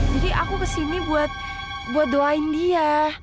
jadi aku kesini buat doain dia